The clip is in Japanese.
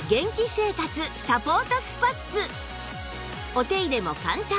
お手入れも簡単